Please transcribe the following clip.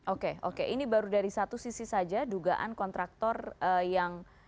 oke oke ini baru dari satu sisi saja dugaan kontraktor yang